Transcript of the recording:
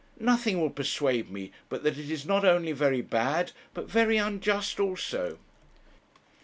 Nothing will persuade me but that it is not only very bad, but very unjust also.'